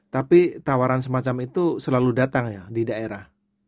tapi tawaran semacam itu selalu datang ya di daerah